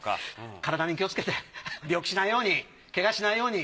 体に気をつけて病気しないようにけがしないように。